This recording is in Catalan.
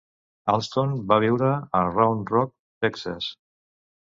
Allston va viure a Round Rock, Texas.